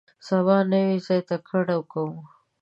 سبا نوي ځای ته کډه کوو.